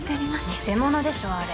偽物でしょあれ。